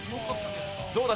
どうだ？